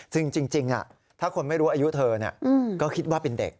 ซึ่งจริงถ้าคนไม่รู้อายุเธอก็คิดว่าเป็นเด็ก